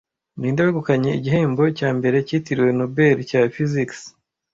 Ninde wegukanye igihembo cya mbere cyitiriwe Nobel cya Physics